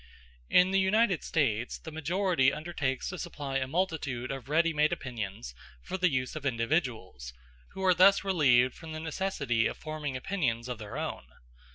In the United States the majority undertakes to supply a multitude of ready made opinions for the use of individuals, who are thus relieved from the necessity of forming opinions of their own.